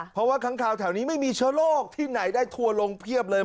เพราะว่าค้างคาวแถวนี้ไม่มีเชื้อโรคที่ไหนได้ทัวร์ลงเพียบเลย